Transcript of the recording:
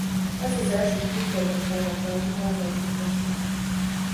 Ez az első külföldön felvett albuma az együttesnek.